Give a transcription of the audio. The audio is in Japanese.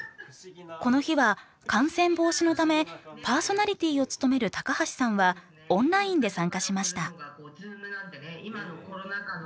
この日は感染防止のためパーソナリティーを務める高橋さんはオンラインで参加しました。